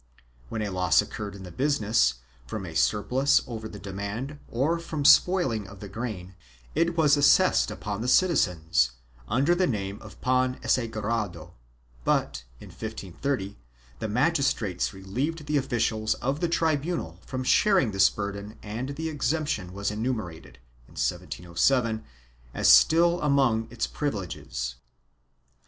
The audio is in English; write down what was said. When a loss occurred in the business, from a surplus over the demand or from spoiling of the grain, it was assessed upon the citizens, under the name of pan asegurado, but, in 1530, the magistrates relieved the officials of the tribunal from sharing this burden and the exemption is enumerated, in 1707, as still among its privileges.